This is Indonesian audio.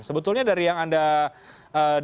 sebetulnya dari yang anda dapatkan